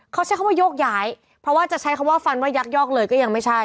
เขาใช้คำว่าโยกย้ายเพราะว่าจะใช้คำว่าฟันว่ายักยอกเลยก็ยังไม่ใช่